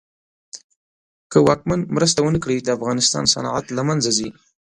که واکمن مرسته ونه کړي د افغانستان صنعت له منځ ځي.